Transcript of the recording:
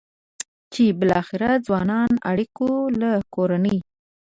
چې بالاخره ځوانان اړ کوي له کورنۍ.